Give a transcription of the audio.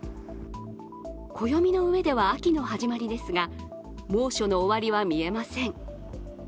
暦の上では秋の始まりですが、猛暑の終わりは見えません。